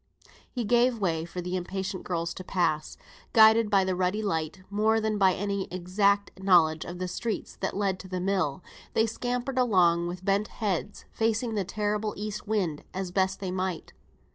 He gave way for the impatient girls to pass. Guided by the ruddy light more than by any exact knowledge of the streets that led to the mill, they scampered along with bent heads, facing the terrible east wind as best they might.